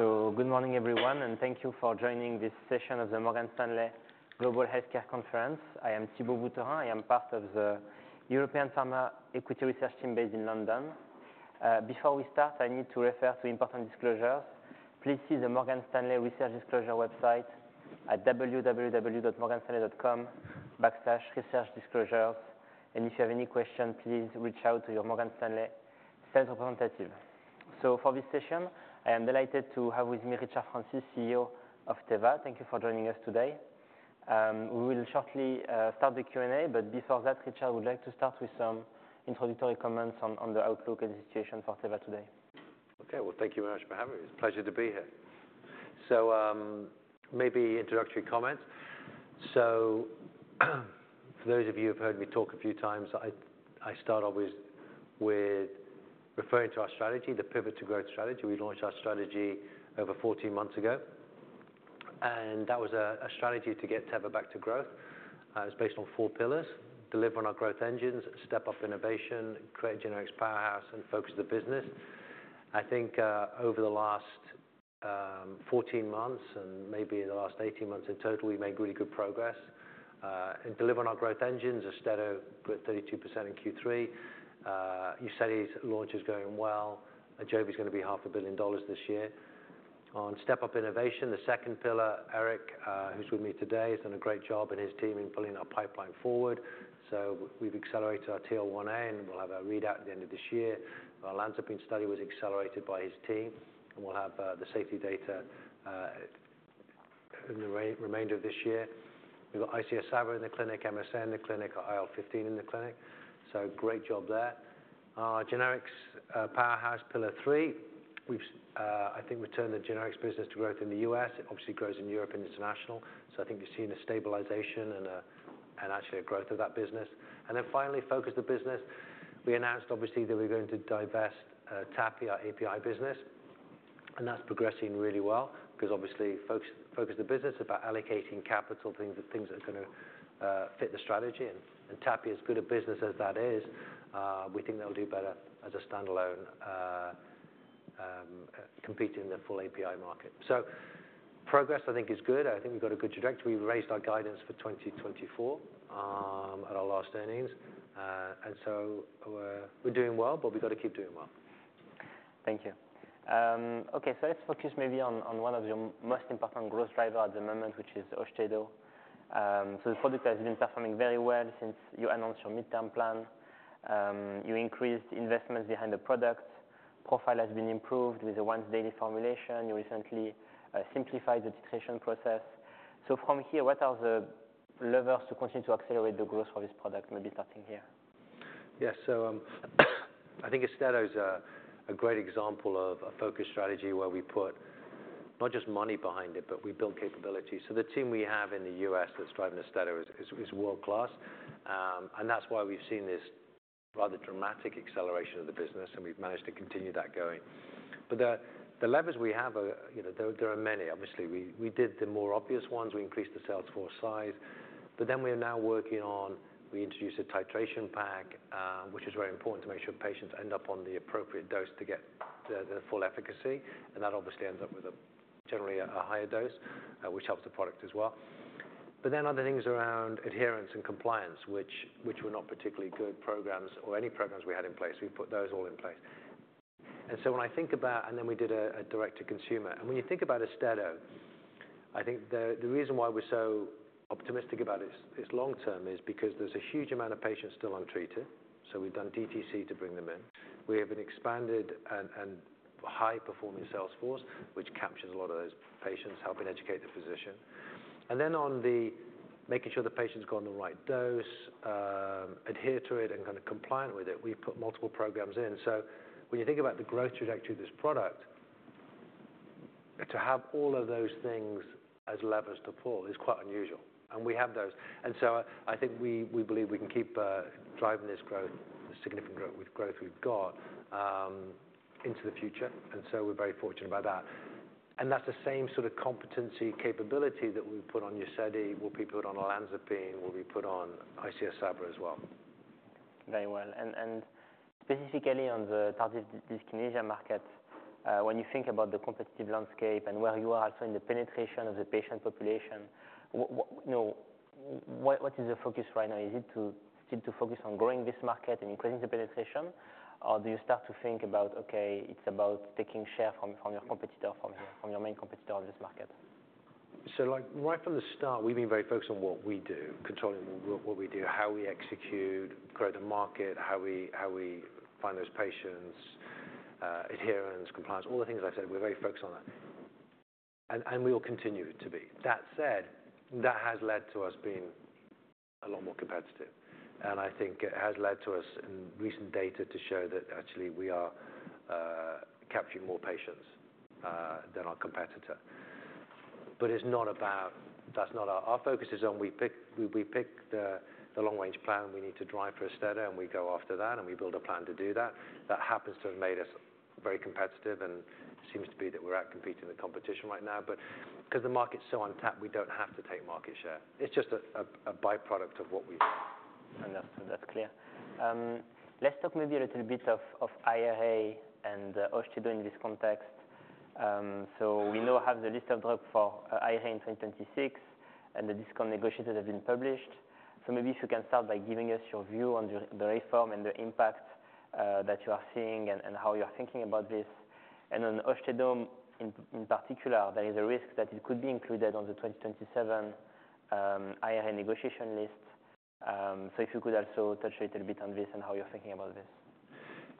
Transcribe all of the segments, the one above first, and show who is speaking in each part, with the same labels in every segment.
Speaker 1: So good morning, everyone, and thank you for joining this session of the Morgan Stanley Global Healthcare Conference. I am Thibault Boutherin. I am part of the European Pharma Equity Research team based in London. Before we start, I need to refer to important disclosures. Please see the Morgan Stanley Research Disclosure website at www.morganstanley.com/researchdisclosures. And if you have any questions, please reach out to your Morgan Stanley sales representative. So for this session, I am delighted to have with me Richard Francis, CEO of Teva. Thank you for joining us today. We will shortly start the Q&A, but before that, Richard, I would like to start with some introductory comments on the outlook and the situation for Teva today.
Speaker 2: Okay, well, thank you very much for having me. It's a pleasure to be here. Maybe introductory comments. For those of you who've heard me talk a few times, I start always with referring to our strategy, the Pivot to Growth strategy. We launched our strategy over fourteen months ago, and that was a strategy to get Teva back to growth. It's based on four pillars: deliver on our growth engines, step up innovation, create a generics powerhouse, and focus the business. I think over the last fourteen months, and maybe in the last eighteen months in total, we've made really good progress. In delivering on our growth engines, Austedo put 32% in Q3. Uzedy's launch is going well. Ajovy is going to be $500 million this year. On step-up innovation, the second pillar, Eric, who's with me today, has done a great job and his team in pulling our pipeline forward. So we've accelerated our TL1A, and we'll have a readout at the end of this year. Our olanzapine study was accelerated by his team, and we'll have the safety data in the remainder of this year. We've got ICS/SABA in the clinic, MSA in the clinic, IL-15 in the clinic. So great job there. Our generics powerhouse, pillar three, we've. I think we've turned the generics business to growth in the U.S. It obviously grows in Europe and international. So I think you're seeing a stabilization and a, and actually a growth of that business. And then finally, focus the business. We announced, obviously, that we're going to divest TAPI, our API business, and that's progressing really well because obviously, focus the business about allocating capital, things that are going to fit the strategy. And TAPI, as good a business as that is, we think they'll do better as a standalone, competing in the full API market. So progress, I think, is good. I think we've got a good trajectory. We raised our guidance for twenty twenty-four at our last earnings, and so we're doing well, but we've got to keep doing well.
Speaker 1: Thank you. Okay, so let's focus maybe on one of your most important growth driver at the moment, which is Austedo. So the product has been performing very well since you announced your midterm plan. You increased investments behind the product. Profile has been improved with the once-daily formulation. You recently simplified the titration process. So from here, what are the levers to continue to accelerate the growth for this product? Maybe starting here.
Speaker 2: Yes. So, I think Austedo is a great example of a focused strategy where we put not just money behind it, but we build capabilities. So the team we have in the U.S. that's driving Austedo is world-class, and that's why we've seen this rather dramatic acceleration of the business, and we've managed to continue that going, but the levers we have are, you know, there are many. Obviously, we did the more obvious ones. We increased the sales force size, but then we are now working on... We introduced a titration pack, which is very important to make sure patients end up on the appropriate dose to get the full efficacy, and that obviously ends up with generally a higher dose, which helps the product as well. But then other things around adherence and compliance, which were not particularly good programs or any programs we had in place. We put those all in place. And so when I think about, and then we did a direct to consumer. And when you think about Austedo, I think the reason why we're so optimistic about it, it's long term, is because there's a huge amount of patients still untreated, so we've done DTC to bring them in. We have an expanded and high-performing sales force, which captures a lot of those patients, helping educate the physician, and then on the making sure the patient's got on the right dose, adhere to it and kind of compliant with it, we've put multiple programs in. So when you think about the growth trajectory of this product, to have all of those things as levers to pull is quite unusual, and we have those. And so I think we believe we can keep driving this growth, the significant growth we've got into the future, and so we're very fortunate about that. And that's the same sort of competency capability that we put on Uzedy, will be put on olanzapine, will be put on ICS/SABA as well.
Speaker 1: Very well. And specifically on the dyskinesia market, when you think about the competitive landscape and where you are also in the penetration of the patient population, what, you know, is the focus right now? Is it to seem to focus on growing this market and increasing the penetration? Or do you start to think about, okay, it's about taking share from your competitor, from your main competitor on this market?
Speaker 2: Like, right from the start, we've been very focused on what we do, controlling what we do, how we execute, grow the market, how we find those patients, adherence, compliance, all the things I've said. We're very focused on that. And we will continue to be. That said, that has led to us being a lot more competitive, and I think it has led to us in recent data to show that actually we are capturing more patients than our competitor. But it's not about that. That's not our focus. Our focus is on we pick the long-range plan, we need to drive for Austedo, and we go after that, and we build a plan to do that. That happens to have made us very competitive and seems to be that we're out-competing the competition right now. But because the market's so untapped, we don't have to take market share. It's just a byproduct of what we've done.
Speaker 1: That's clear. Let's talk maybe a little bit of IRA and Austedo in this context. So we now have the list of drugs for IRA in 2026, and the discount negotiated has been published. So maybe if you can start by giving us your view on the reform and the impact that you are seeing and how you're thinking about this. And on Austedo in particular, there is a risk that it could be included on the 2027 IRA negotiation list. So if you could also touch a little bit on this and how you're thinking about this.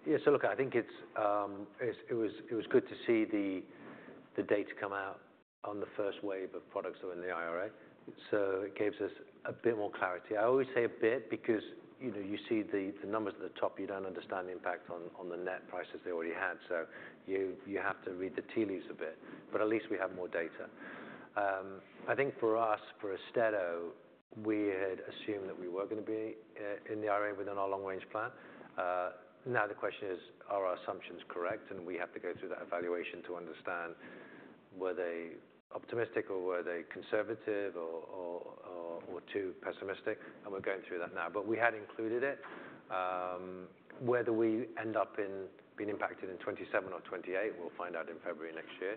Speaker 2: Yeah, so look, I think it's good to see the dates come out on the first wave of products that were in the IRA. So it gives us a bit more clarity. I always say a bit because, you know, you see the numbers at the top, you don't understand the impact on the net prices they already had. So you have to read the tea leaves a bit, but at least we have more data. I think for us, for Austedo, we had assumed that we were gonna be in the IRA within our long range plan. Now the question is, are our assumptions correct? And we have to go through that evaluation to understand were they optimistic, or were they conservative or too pessimistic? And we're going through that now. But we had included it. Whether we end up being impacted in 2027 or 2028, we'll find out in February next year.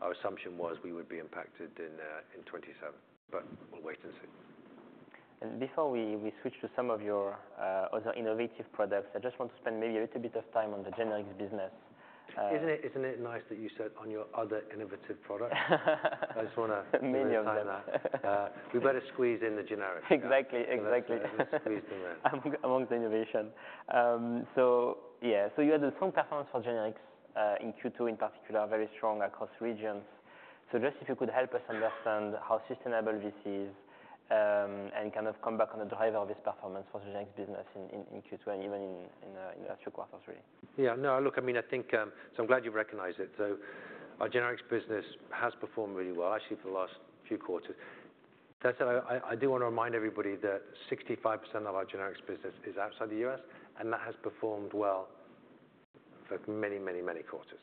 Speaker 2: Our assumption was we would be impacted in 2027, but we'll wait and see.
Speaker 1: Before we switch to some of your other innovative products, I just want to spend maybe a little bit of time on the generics business.
Speaker 2: Isn't it nice that you said on your other innovative products? I just wanna-
Speaker 1: Many of them.
Speaker 2: We better squeeze in the generics.
Speaker 1: Exactly. Exactly.
Speaker 2: Squeeze them in.
Speaker 1: Among the innovation. So yeah, so you had a strong performance for generics in Q2, in particular, very strong across regions. So just if you could help us understand how sustainable this is, and kind of come back on the driver of this performance for the generics business in Q2, and even in the last three quarters, really.
Speaker 2: Yeah. No, look, I mean, I think. So I'm glad you recognize it. So our generics business has performed really well, actually, for the last few quarters. That said, I do want to remind everybody that 65% of our generics business is outside the U.S., and that has performed well for many, many, many quarters.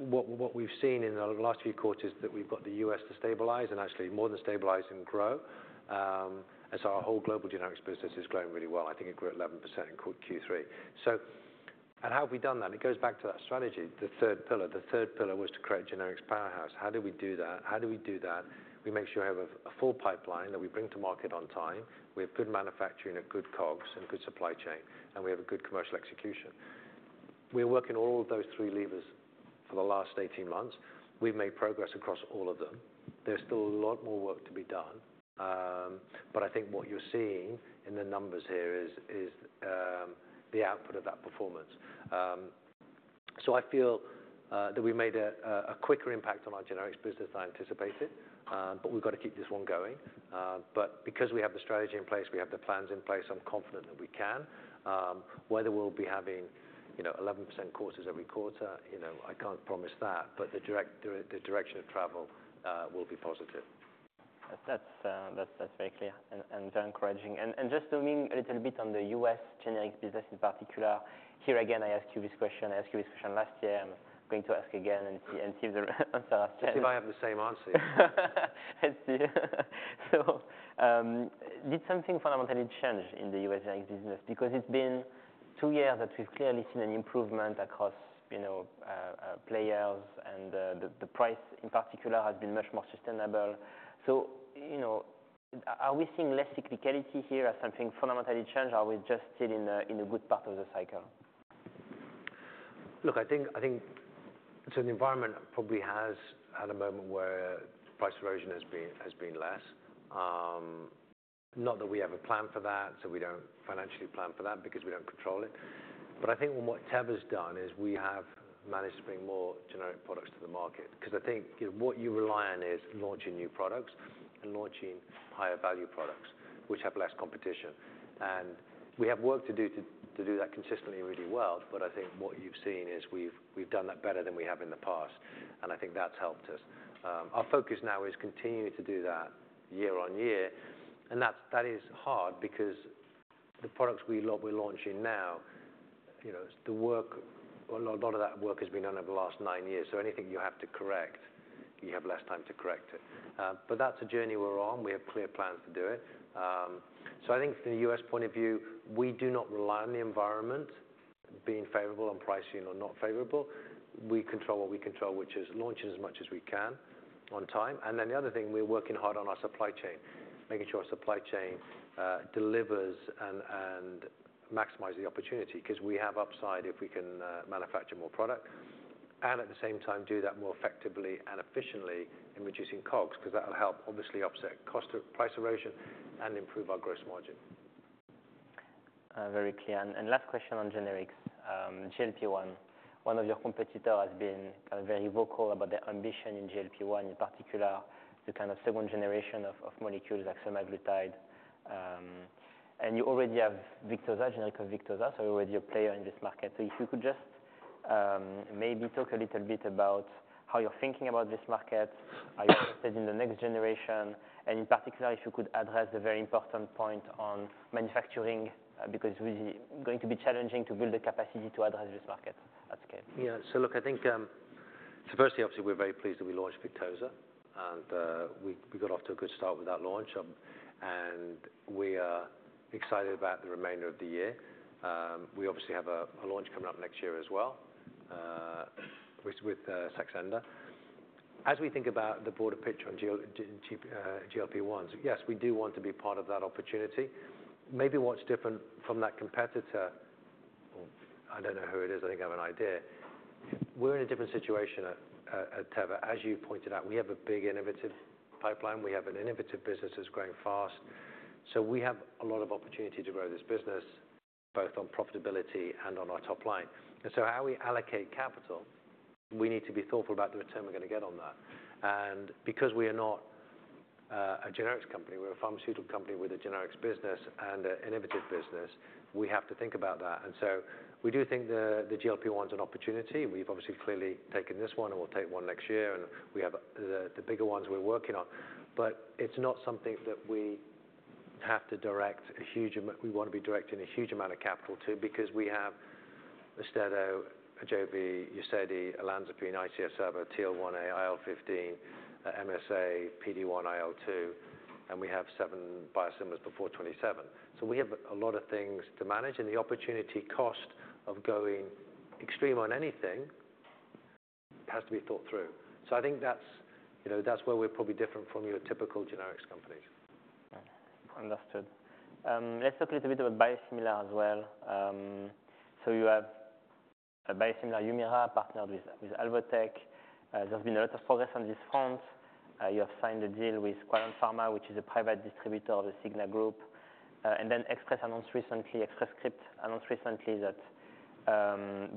Speaker 2: So what we've seen in the last few quarters is that we've got the U.S. to stabilize and actually more than stabilize and grow. And so our whole global generics business is growing really well. I think it grew 11% in Q3. And how have we done that? It goes back to that strategy, the third pillar. The third pillar was to create a generics powerhouse. How do we do that? How do we do that? We make sure we have a full pipeline that we bring to market on time. We have good manufacturing and good COGS and a good supply chain, and we have a good commercial execution. We're working all of those three levers for the last 18 months. We've made progress across all of them. There's still a lot more work to be done, but I think what you're seeing in the numbers here is the output of that performance. So I feel that we made a quicker impact on our generics business than I anticipated, but we've got to keep this one going. But because we have the strategy in place, we have the plans in place, I'm confident that we can. Whether we'll be having, you know, 11% quarters every quarter, you know, I can't promise that, but the direction of travel will be positive.
Speaker 1: That's very clear and very encouraging, and just zooming a little bit on the U.S. generics business in particular. Here again, I ask you this question. I asked you this question last year, and I'm going to ask again and see if the answer has changed.
Speaker 2: See if I have the same answer.
Speaker 1: So, did something fundamentally change in the U.S. generics business? Because it's been two years that we've clearly seen an improvement across, you know, players, and the price, in particular, has been much more sustainable. So, you know, are we seeing less cyclicality here as something fundamentally change, or are we just still in a good part of the cycle?
Speaker 2: Look, I think so the environment probably has, at a moment where price erosion has been less. Not that we have a plan for that, so we don't financially plan for that because we don't control it. But I think what Teva's done is we have managed to bring more generic products to the market. Because I think, you know, what you rely on is launching new products and launching higher value products, which have less competition. And we have work to do to do that consistently really well, but I think what you've seen is we've done that better than we have in the past, and I think that's helped us. Our focus now is continuing to do that year on year, and that's, that is hard because the products we're launching now, you know, the work, well, a lot of that work has been done over the last nine years. So anything you have to correct, you have less time to correct it. But that's a journey we're on. We have clear plans to do it. So I think from the U.S. point of view, we do not rely on the environment being favorable on pricing or not favorable. We control what we control, which is launching as much as we can on time, and then the other thing, we're working hard on our supply chain, making sure our supply chain delivers and maximize the opportunity. 'Cause we have upside if we can manufacture more product, and at the same time, do that more effectively and efficiently in reducing COGS, 'cause that will help obviously offset cost of price erosion and improve our gross margin.
Speaker 1: Very clear. Last question on generics. GLP-1, one of your competitor has been kind of very vocal about their ambition in GLP-1, in particular, the kind of second generation of molecules like semaglutide. You already have Victoza, generic Victoza, so you're already a player in this market. So if you could just maybe talk a little bit about how you're thinking about this market, are you interested in the next generation? In particular, if you could address the very important point on manufacturing, because it's really going to be challenging to build the capacity to address this market at scale.
Speaker 2: Yeah. So look, I think. So, firstly, obviously, we're very pleased that we launched Victoza, and we got off to a good start with that launch. And we are excited about the remainder of the year. We obviously have a launch coming up next year as well, with Saxenda. As we think about the broader picture on GLP-1s, yes, we do want to be part of that opportunity. Maybe what's different from that competitor, or I don't know who it is. I think I have an idea. We're in a different situation at Teva. As you pointed out, we have a big innovative pipeline. We have an innovative business that's growing fast. So we have a lot of opportunity to grow this business, both on profitability and on our top line. And so how we allocate capital, we need to be thoughtful about the return we're gonna get on that. And because we are not a generics company, we're a pharmaceutical company with a generics business and an innovative business, we have to think about that. And so we do think the GLP-1's an opportunity. We've obviously clearly taken this one, and we'll take one next year, and we have the bigger ones we're working on. But it's not something that we have to direct a huge amount, we want to be directing a huge amount of capital to, because we have Austedo, Ajovy, Uzedy, olanzapine, ICS/SABA, TL1A, IL-15, MSA, PD-1 & IL-2, and we have seven biosimilars before 2027. So we have a lot of things to manage, and the opportunity cost of going extreme on anything has to be thought through. So, I think that's, you know, that's where we're probably different from your typical generics companies.
Speaker 1: Understood. Let's talk a little bit about biosimilar as well. So you have a biosimilar Humira, partnered with Alvotech. There's been a lot of progress on this front. You have signed a deal with Quallent Pharma, which is a private distributor of the Cigna Group. And then Express Scripts announced recently that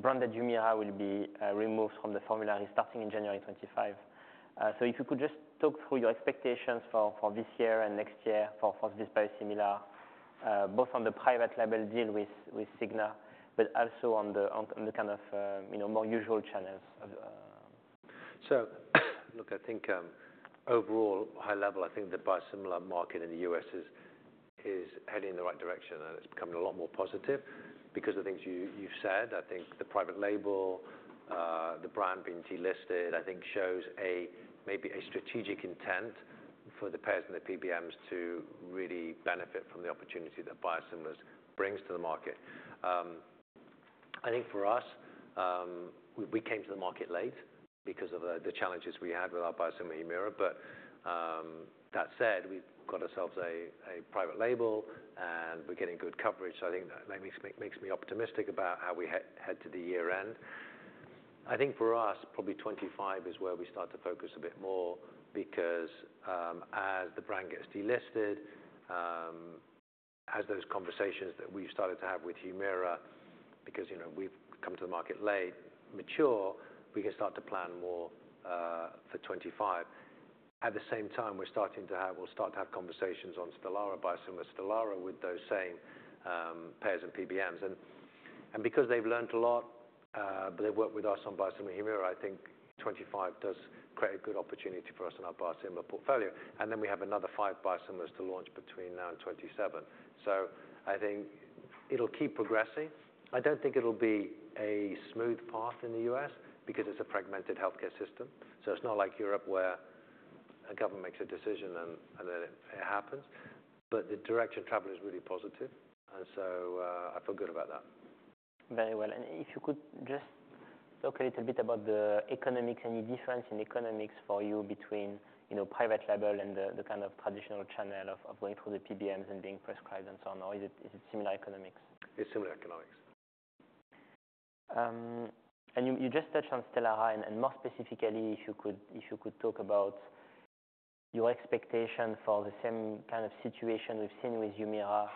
Speaker 1: branded Humira will be removed from the formulary starting in January 2025. So if you could just talk through your expectations for this year and next year for this biosimilar, both on the private label deal with Cigna, but also on the kind of, you know, more usual channels of
Speaker 2: So look, I think overall, high level, I think the biosimilar market in the U.S. is heading in the right direction, and it's becoming a lot more positive because of the things you've said. I think the private label, the brand being delisted, I think shows maybe a strategic intent for the payers and the PBMs to really benefit from the opportunity that biosimilars brings to the market. I think for us, we came to the market late because of the challenges we had with our biosimilar Humira. But that said, we've got ourselves a private label, and we're getting good coverage. So I think that makes me optimistic about how we head to the year end. I think for us, probably 2025 is where we start to focus a bit more because, as the brand gets delisted, as those conversations that we've started to have with Humira, because, you know, we've come to the market late, mature, we can start to plan more, for 2025. We'll start to have conversations on Stelara, biosimilar Stelara, with those same, payers and PBMs. And, and because they've learned a lot, but they've worked with us on biosimilar Humira, I think 2025 does create a good opportunity for us in our biosimilar portfolio. And then we have another five biosimilars to launch between now and 2027. So I think it'll keep progressing. I don't think it'll be a smooth path in the U.S. because it's a fragmented healthcare system. So it's not like Europe, where a government makes a decision and then it happens. But the direction of travel is really positive, and so, I feel good about that.
Speaker 1: Very well. And if you could just talk a little bit about the economics, any difference in economics for you between, you know, private label and the, the kind of traditional channel of, of going through the PBMs and being prescribed and so on, or is it, is it similar economics?
Speaker 2: It's similar economics.
Speaker 1: You just touched on Stelara, and more specifically, if you could talk about your expectation for the same kind of situation we've seen with Humira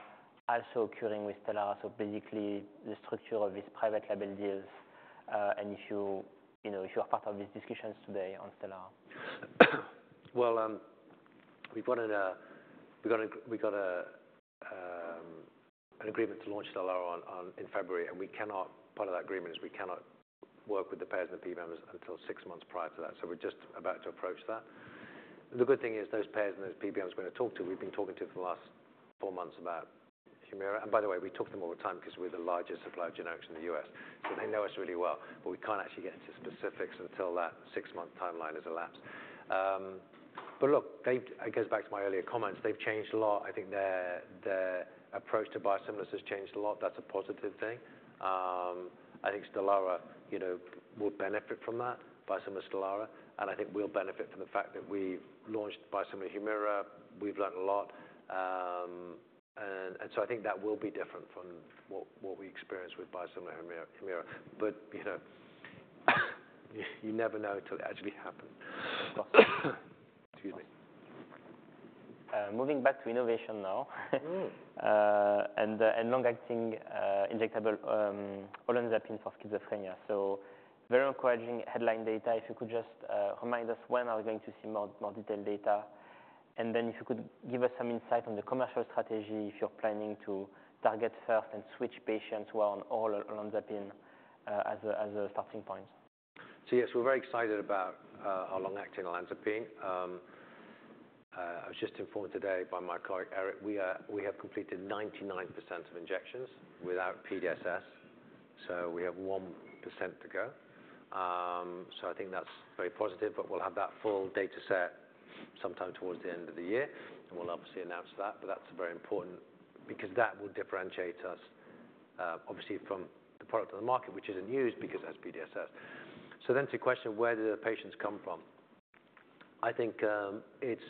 Speaker 1: also occurring with Stelara. So basically, the structure of these private label deals, and if you know, if you are part of these discussions today on Stelara?
Speaker 2: We've got an agreement to launch Stelara in February, and we cannot... Part of that agreement is we cannot work with the payers and the PBMs until six months prior to that, so we're just about to approach that. The good thing is those payers and those PBMs we're going to talk to, we've been talking to for the last four months about Humira. And by the way, we talk to them all the time because we're the largest supplier of generics in the U.S., so they know us really well, but we can't actually get into specifics until that six-month timeline has elapsed. Look, it goes back to my earlier comments. They've changed a lot. I think their approach to biosimilars has changed a lot. That's a positive thing. I think Stelara, you know, will benefit from that, biosimilar Stelara, and I think we'll benefit from the fact that we've launched biosimilar Humira. We've learned a lot, and so I think that will be different from what we experienced with biosimilar Humira. But, you know, you never know until it actually happened. Excuse me.
Speaker 1: Moving back to innovation now, and long-acting injectable olanzapine for schizophrenia. Very encouraging headline data. If you could just remind us, when are we going to see more detailed data? Then if you could give us some insight on the commercial strategy, if you are planning to target first and switch patients who are on oral olanzapine, as a starting point.
Speaker 2: Yes, we're very excited about our long-acting olanzapine. I was just informed today by my colleague, Eric, we are, we have completed 99% of injections without PDSS, so we have 1% to go. So I think that's very positive, but we'll have that full data set sometime towards the end of the year, and we'll obviously announce that. But that's very important because that will differentiate us obviously from the product on the market, which isn't used because it has PDSS. So then to your question of where do the patients come from? I think it's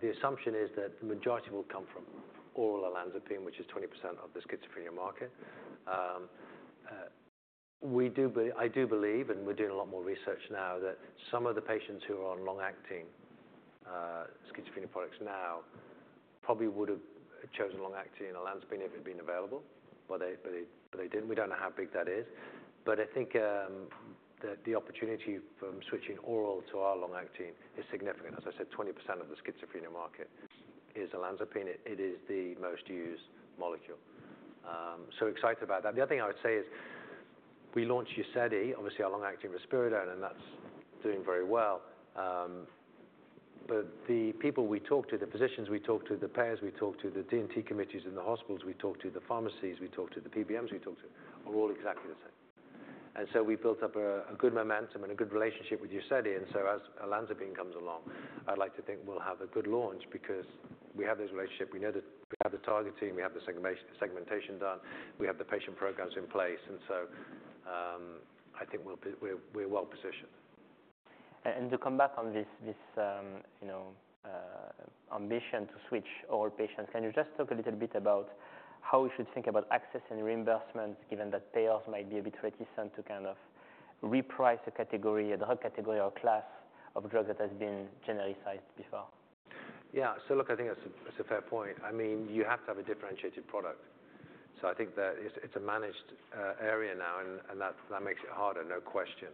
Speaker 2: the assumption is that the majority will come from oral olanzapine, which is 20% of the schizophrenia market. I do believe, and we're doing a lot more research now, that some of the patients who are on long-acting schizophrenia products now probably would have chosen long-acting olanzapine if it had been available, but they, but they, but they didn't. We don't know how big that is. But I think the opportunity from switching oral to our long-acting is significant. As I said, 20% of the schizophrenia market is olanzapine. It is the most used molecule. So excited about that. The other thing I would say is, we launched Uzedy, obviously, our long-acting risperidone, and that's doing very well. But the people we talk to, the physicians we talk to, the payers we talk to, the D&T committees in the hospitals we talk to, the pharmacies we talk to, the PBMs we talk to, are all exactly the same. And so we've built up a good momentum and a good relationship with Uzedy, and so as olanzapine comes along, I'd like to think we'll have a good launch because we have this relationship. We know that we have the target team, we have the segmentation done, we have the patient programs in place, and so, I think we'll be well positioned.
Speaker 1: To come back on this, you know, ambition to switch all patients, can you just talk a little bit about how we should think about access and reimbursements, given that payers might be a bit reticent to kind of reprice a category, a whole category or class of a drug that has been generalized before?
Speaker 2: Yeah. So look, I think that's a fair point. I mean, you have to have a differentiated product. So I think that it's a managed area now, and that makes it harder, no question.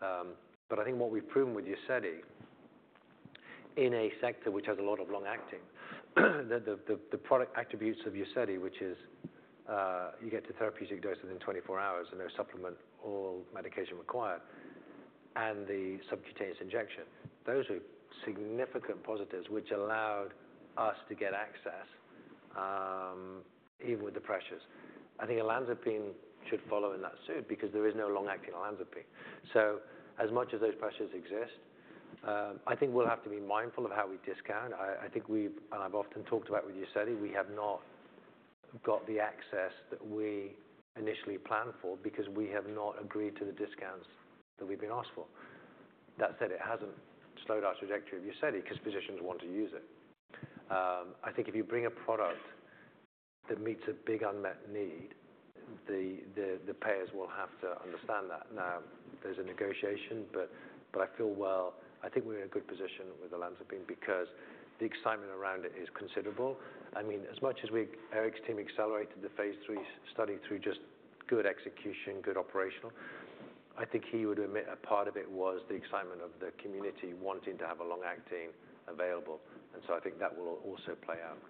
Speaker 2: But I think what we've proven with Uzedy, in a sector which has a lot of long-acting, the product attributes of Uzedy, which is you get to therapeutic dose within twenty-four hours, and there's supplement or medication required, and the subcutaneous injection. Those are significant positives, which allowed us to get access, even with the pressures. I think olanzapine should follow in that suit because there is no long-acting olanzapine. So as much as those pressures exist, I think we'll have to be mindful of how we discount. I think we've... And I've often talked about with Uzedy, we have not got the access that we initially planned for because we have not agreed to the discounts that we've been asked for. That said, it hasn't slowed our trajectory with Uzedy because physicians want to use it. I think if you bring a product that meets a big unmet need, the payers will have to understand that. Now, there's a negotiation, but I feel, well, I think we're in a good position with olanzapine because the excitement around it is considerable. I mean, as much as we, Eric's team accelerated the phase III study through just good execution, good operational. I think he would admit a part of it was the excitement of the community wanting to have a long-acting available. And so I think that will also play out.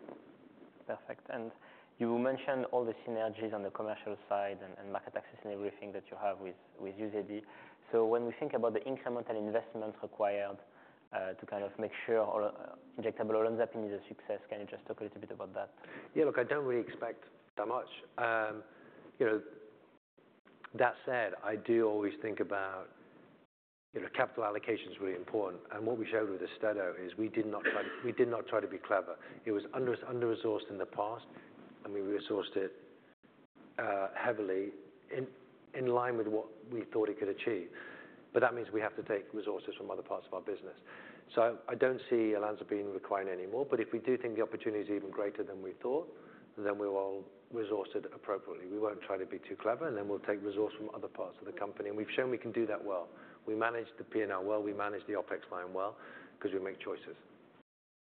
Speaker 1: Perfect. And you mentioned all the synergies on the commercial side and, and market access and everything that you have with, with Uzedy. So when we think about the incremental investments required to kind of make sure our injectable olanzapine is a success, can you just talk a little bit about that?
Speaker 2: Yeah, look, I don't really expect that much. You know, that said, I do always think about, you know, capital allocation is really important, and what we showed with the Stelara is we did not try to be clever. It was under-resourced in the past, and we resourced it heavily in line with what we thought it could achieve, but that means we have to take resources from other parts of our business, so I don't see olanzapine requiring any more, but if we do think the opportunity is even greater than we thought, then we will resource it appropriately. We won't try to be too clever, and then we'll take resource from other parts of the company, and we've shown we can do that well. We manage the P&L well, we manage the OpEx line well, because we make choices.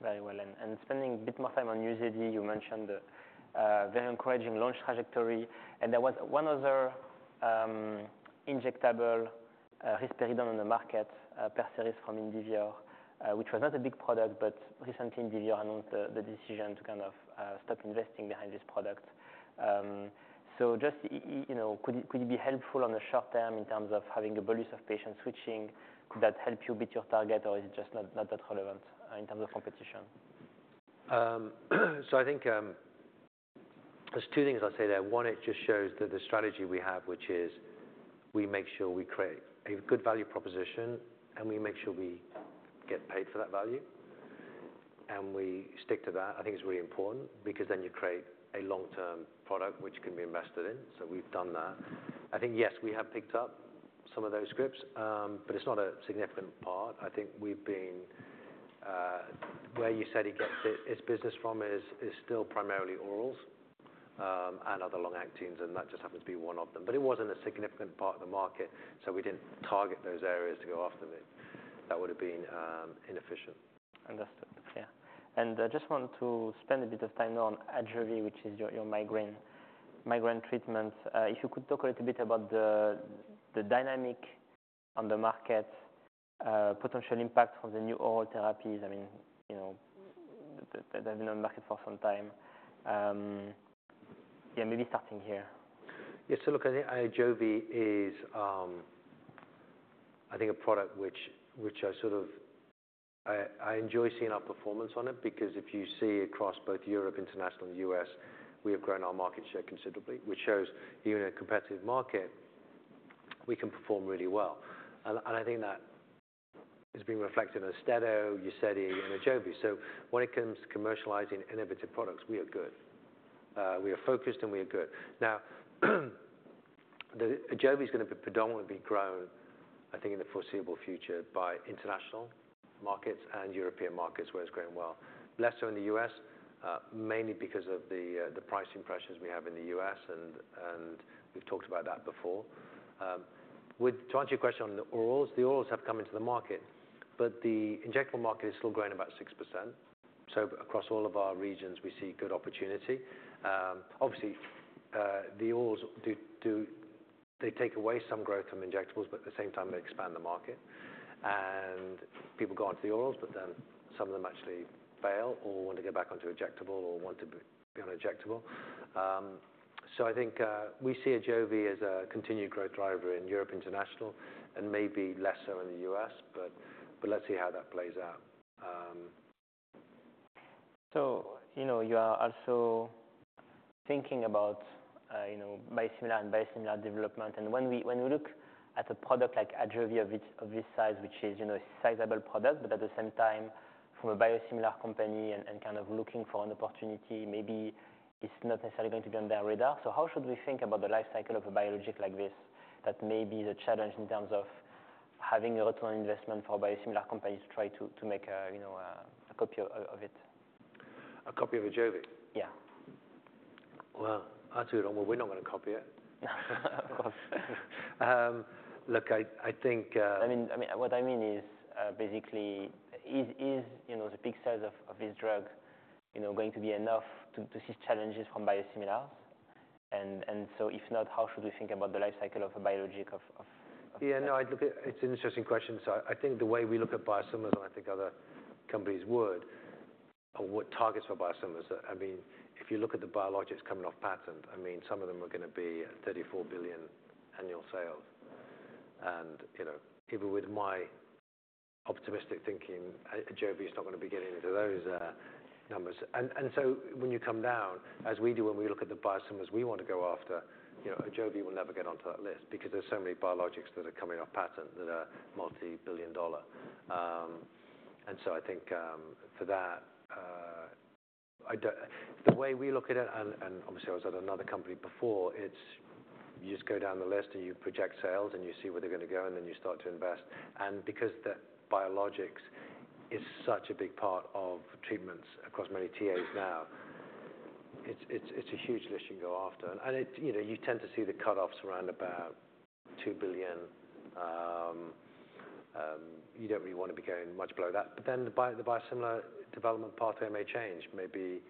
Speaker 1: Very well. And spending a bit more time on Uzedy, you mentioned the very encouraging launch trajectory. And there was one other injectable risperidone on the market, Perseris from Indivior, which was not a big product, but recently Indivior announced the decision to kind of stop investing behind this product. So just you know, could it be helpful on the short term in terms of having a bolus of patients switching, could that help you beat your target, or is it just not that relevant in terms of competition?
Speaker 2: So I think there's two things I'd say there. One, it just shows that the strategy we have, which is we make sure we create a good value proposition, and we make sure we get paid for that value, and we stick to that. I think it's really important because then you create a long-term product which can be invested in. So we've done that. I think, yes, we have picked up some of those scripts, but it's not a significant part. I think we've been where you said you get its business from is still primarily orals, and other long-actings, and that just happens to be one of them. But it wasn't a significant part of the market, so we didn't target those areas to go after it. That would have been inefficient.
Speaker 1: Understood. Yeah. And I just want to spend a bit of time now on Ajovy, which is your migraine treatment. If you could talk a little bit about the dynamic on the market, potential impact from the new oral therapies. I mean, you know, but they've been on the market for some time. Yeah, maybe starting here.
Speaker 2: Yeah, so look, I think Ajovy is. I think a product which I sort of enjoy seeing our performance on it, because if you see across both Europe, International, and U.S., we have grown our market share considerably, which shows even in a competitive market, we can perform really well, and I think that is being reflected in Austedo, Uzedy, and Ajovy. So when it comes to commercializing innovative products, we are good. We are focused, and we are good. Now, the Ajovy is gonna be predominantly grown, I think, in the foreseeable future by international markets and European markets, where it's growing well. Less so in the U.S., mainly because of the pricing pressures we have in the U.S., and we've talked about that before. With... To answer your question on the orals, the orals have come into the market, but the injectable market is still growing about 6%. So across all of our regions, we see good opportunity. Obviously, the orals do. They take away some growth from injectables, but at the same time, they expand the market. And people go onto the orals, but then some of them actually fail or want to go back onto injectable or want to be on injectable. So I think we see Ajovy as a continued growth driver in Europe International and maybe lesser so in the U.S., but let's see how that plays out.
Speaker 1: So, you know, you are also thinking about, you know, biosimilar and biosimilar development. And when we look at a product like Ajovy, of which, of this size, which is, you know, a sizable product, but at the same time, from a biosimilar company and kind of looking for an opportunity, maybe it's not necessarily going to be on their radar. So how should we think about the life cycle of a biologic like this? That may be the challenge in terms of having a return on investment for biosimilar companies to try to make a, you know, a copy of it.
Speaker 2: A copy of Ajovy?
Speaker 1: Yeah.
Speaker 2: I'll tell you, we're not going to copy it.
Speaker 1: Of course.
Speaker 2: Look, I think
Speaker 1: I mean, what I mean is, basically, you know, the big sales of this drug, you know, going to be enough to see challenges from biosimilars? And so if not, how should we think about the life cycle of a biologic of-
Speaker 2: Yeah, no, it's an interesting question. So I think the way we look at biosimilars, and I think other companies would, or would target for biosimilars, I mean, if you look at the biologics coming off patent, I mean, some of them are gonna be at $34 billion annual sales. And, you know, even with my optimistic thinking, Ajovy is not gonna be getting into those numbers. And so when you come down, as we do when we look at the biosimilars we want to go after, you know, Ajovy will never get onto that list because there's so many biologics that are coming off patent that are multi-billion dollar. And so I think, for that, I don't... The way we look at it, and obviously I was at another company before, it's you just go down the list, and you project sales, and you see where they're gonna go, and then you start to invest. And because the biologics is such a big part of treatments across many TAs now, it's a huge list you can go after. And it, you know, you tend to see the cut-offs around about $2 billion. You don't really want to be going much below that. But then the biosimilar development pathway may change. Maybe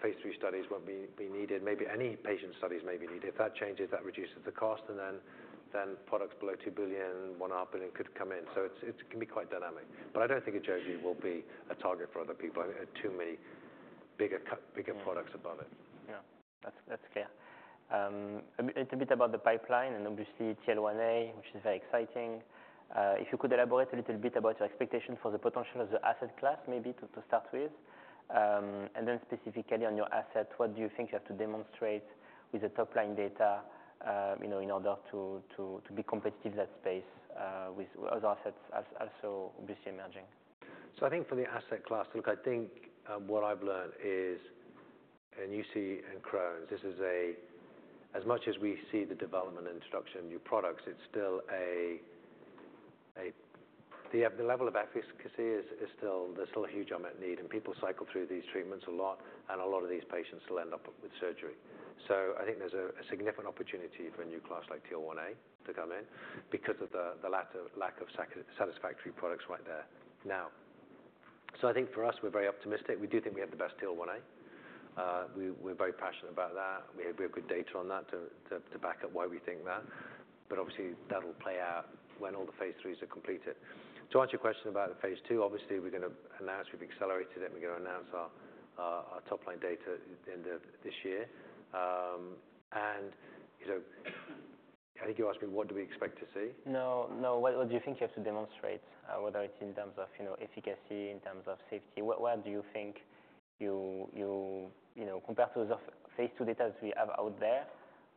Speaker 2: phase III studies won't be needed. Maybe any patient studies may be needed. If that changes, that reduces the cost, and then products below $2 billion, $1 billion could come in. So it can be quite dynamic. But I don't think Ajovy will be a target for other people. I think there are too many bigger co-
Speaker 1: Mm.
Speaker 2: Bigger products above it.
Speaker 1: Yeah, that's, that's clear. A little bit about the pipeline and obviously TL1A, which is very exciting. If you could elaborate a little bit about your expectation for the potential of the asset class, maybe to start with, and then specifically on your asset, what do you think you have to demonstrate with the top-line data, you know, in order to be competitive in that space, with other assets also obviously emerging?
Speaker 2: So I think for the asset class, look, I think what I've learned is, and you see in Crohn's, this is a... As much as we see the development and introduction of new products, it's still a. The level of efficacy is still, there's still a huge unmet need, and people cycle through these treatments a lot, and a lot of these patients still end up with surgery. So I think there's a significant opportunity for a new class like TL1A to come in because of the lack of satisfactory products right there now. So I think for us, we're very optimistic. We do think we have the best TL1A. We, we're very passionate about that. We have good data on that to back up why we think that, but obviously, that'll play out when all the phase IIIs are completed. To answer your question about the phase II, obviously, we're gonna announce we've accelerated it, and we're going to announce our top-line data at the end of this year, and, you know, I think you asked me, what do we expect to see?
Speaker 1: No, no. What do you think you have to demonstrate? Whether it's in terms of, you know, efficacy, in terms of safety, what do you think you... You know, compared to the phase II data we have out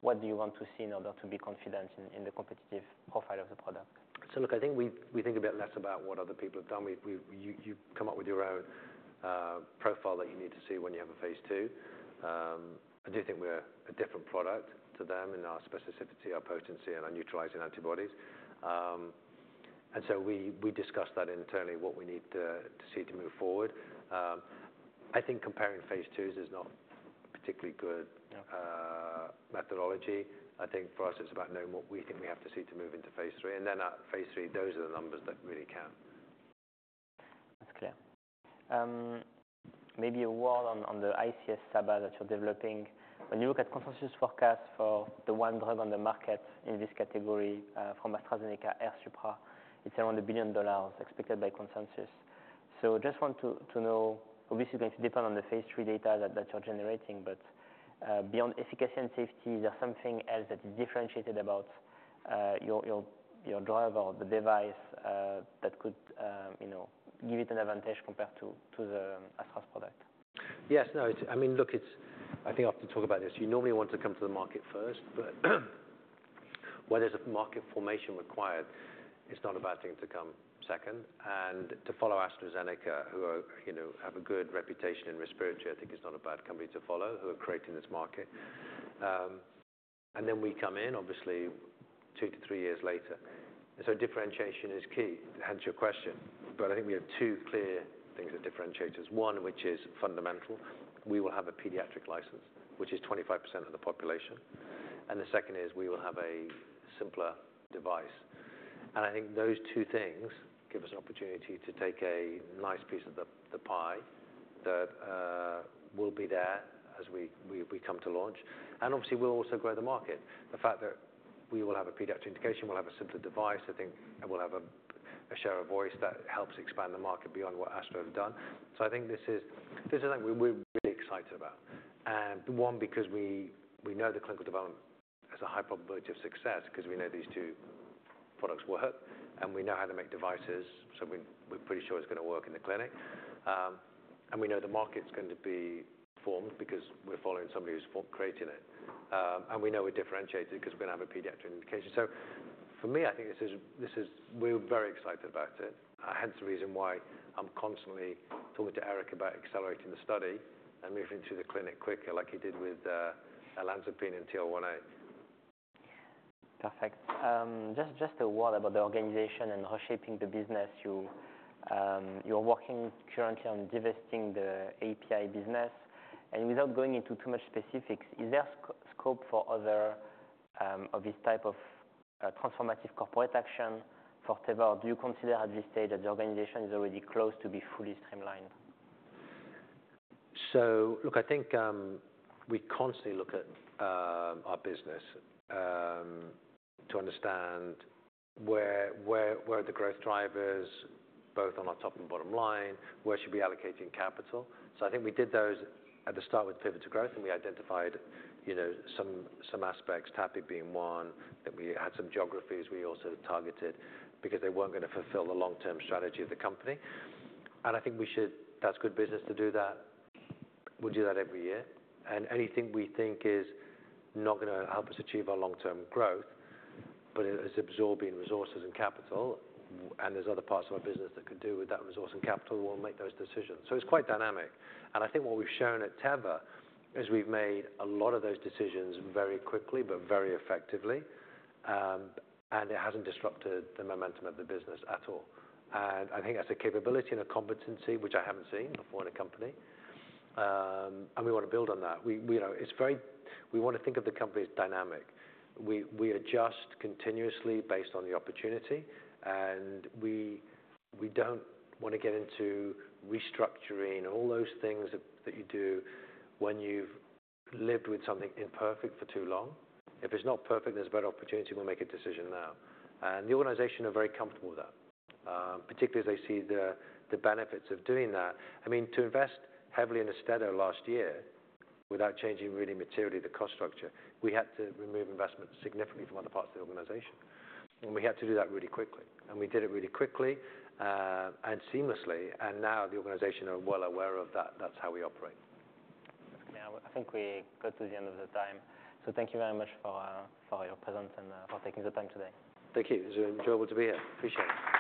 Speaker 1: there, what do you want to see in order to be confident in the competitive profile of the product?
Speaker 2: So look, I think we think a bit less about what other people have done. You come up with your own profile that you need to see when you have a phase II. I do think we're a different product to them in our specificity, our potency, and our neutralizing antibodies. And so we discussed that internally, what we need to see to move forward. I think comparing phase IIs is not particularly good.
Speaker 1: Yeah...
Speaker 2: methodology. I think for us, it's about knowing what we think we have to see to move into phase III, and then at phase III, those are the numbers that really count.
Speaker 1: That's clear. Maybe a word on, on the ICS SABA that you're developing. When you look at consensus forecast for the one drug on the market in this category, from AstraZeneca, AIRSUPRA, it's around $1 billion expected by consensus. So just want to know, obviously, it's going to depend on the phase III data that you're generating, but, beyond efficacy and safety, is there something else that is differentiated about, your drug or the device, that could, you know, give it an advantage compared to the AstraZeneca product?
Speaker 2: Yes. No, it's. I mean, look, I think I have to talk about this. You normally want to come to the market first, but where there's a market formation required, it's not a bad thing to come second and to follow AstraZeneca, who, you know, have a good reputation in respiratory. I think it's not a bad company to follow, who are creating this market. And then we come in obviously two to three years later. So differentiation is key, hence your question. But I think we have two clear things that differentiate us. One, which is fundamental, we will have a pediatric license, which is 25% of the population, and the second is we will have a simpler device. And I think those two things give us an opportunity to take a nice piece of the pie that will be there as we come to launch, and obviously, we'll also grow the market. The fact that we will have a pediatric indication, we'll have a simpler device, I think, and we'll have a share of voice that helps expand the market beyond what AstraZeneca have done. So I think this is something we're really excited about. And one, because we know the clinical development has a high probability of success, 'cause we know these two products work, and we know how to make devices, so we're pretty sure it's gonna work in the clinic. And we know the market's going to be formed because we're following somebody who's forming it. And we know we're differentiated because we're gonna have a pediatric indication. So for me, I think this is... We're very excited about it. Hence the reason why I'm constantly talking to Eric about accelerating the study and moving to the clinic quicker, like he did with olanzapine in TL1A.
Speaker 1: Perfect. Just a word about the organization and reshaping the business. You, you're working currently on divesting the API business, and without going into too much specifics, is there scope for other of this type of transformative corporate action for Teva or do you consider at this stage that the organization is already close to being fully streamlined?
Speaker 2: Look, I think we constantly look at our business to understand where the growth drivers are, both on our top and bottom line, where we should allocate capital. I think we did those at the start with pivot to growth, and we identified, you know, some aspects, TAPI being one, that we had some geographies we also targeted because they weren't gonna fulfill the long-term strategy of the company. I think we should. That's good business to do that. We'll do that every year. Anything we think is not gonna help us achieve our long-term growth, but it's absorbing resources and capital, and there's other parts of our business that could do with that resource and capital, we'll make those decisions. It's quite dynamic. I think what we've shown at Teva is we've made a lot of those decisions very quickly, but very effectively, and it hasn't disrupted the momentum of the business at all. I think that's a capability and a competency which I haven't seen before in a company, and we want to build on that. We want to think of the company as dynamic. We adjust continuously based on the opportunity, and we don't want to get into restructuring and all those things that you do when you've lived with something imperfect for too long. If it's not perfect, and there's a better opportunity, we'll make a decision now. The organization are very comfortable with that, particularly as they see the benefits of doing that. I mean, to invest heavily in Stelara last year without changing really materially the cost structure, we had to remove investments significantly from other parts of the organization, and we had to do that really quickly, and we did it really quickly, and seamlessly, and now the organization are well aware of that. That's how we operate.
Speaker 1: Yeah, I think we got to the end of the time. So thank you very much for your presence and for taking the time today.
Speaker 2: Thank you. It was enjoyable to be here. Appreciate it.